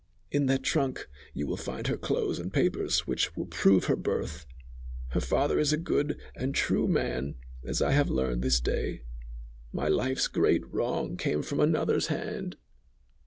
in that trunk you will find her clothes and papers which will prove her birth. Her father is a good and true man, as I have learned this day. My life's great wrong came from another's hand.